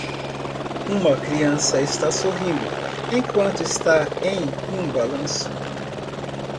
Uma criança está sorrindo enquanto está em um balanço.